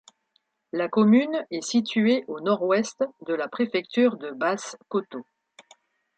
La commune est située au nord-ouest de la préfecture de Basse-Kotto.